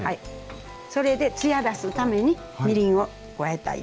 それでつや出すためにみりんを加えたいです。